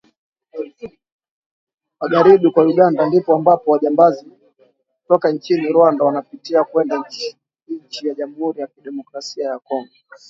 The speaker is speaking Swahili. Magharibi mwa Uganda ndipo ambapo wajambazi toka inchini Rwanda wanapitia kuenda inchi ya Jamuri ya kidemokrasia ya Kongo